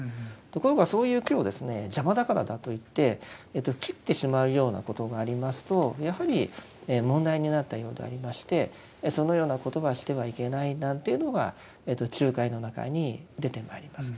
ところがそういう木をですね邪魔だからだといって切ってしまうようなことがありますとやはり問題になったようでありましてそのようなことはしてはいけないなんていうのが中戒の中に出てまいります。